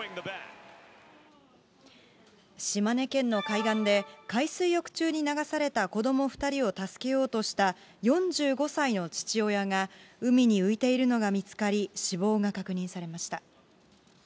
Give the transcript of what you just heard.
島根県の海岸で、海水浴中に流された子ども２人を助けようとした４５歳の父親が、海に浮いているのが見つかり、死亡が確認されました。